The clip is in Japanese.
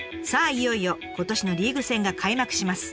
いよいよ今年のリーグ戦が開幕します。